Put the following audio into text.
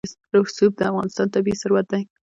رسوب د افغانستان طبعي ثروت دی.